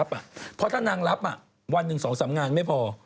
เพราะถ้านางรับอ่ะวันหนึ่งสองสามงานไม่พอ